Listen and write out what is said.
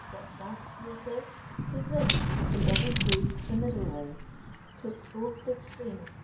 What's that? you'll say. 'Tis this: he ever choos'd the middle way 'Twixt both th' extremes.